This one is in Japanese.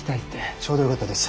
ちょうどよかったです。